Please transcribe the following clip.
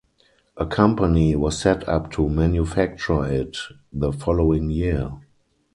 A company was set up to manufacture it the following year.